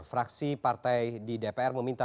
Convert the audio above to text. fraksi partai di dpr meminta